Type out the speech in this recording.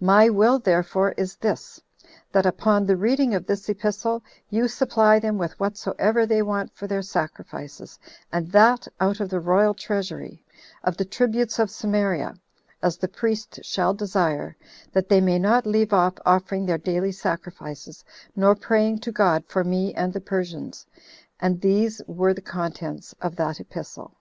My will therefore is this, That upon the reading of this epistle, you supply them with whatsoever they want for their sacrifices, and that out of the royal treasury, of the tributes of Samaria, as the priest shall desire, that they may not leave off offering their daily sacrifices, nor praying to God for me and the Persians." And these were the contents of that epistle.